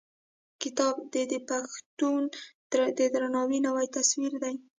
کتاب: دی د پښتون د درناوي نوی تصوير دی.